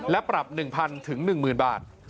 และปรับ๑๐๐๐ถึง๑๐๐๐๐บาท